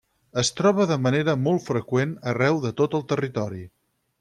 Es troba de manera molt freqüent arreu de tot el territori.